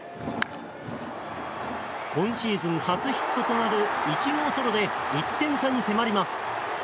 今シーズン初ヒットとなる１号ソロで１点差に迫ります。